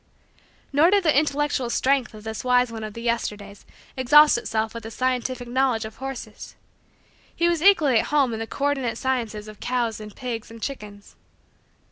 Nor did the intellectual strength of this wise one of the Yesterdays exhaust itself with the scientific knowledge of horses. He was equally at home in the co ordinate sciences of cows and pigs and chickens.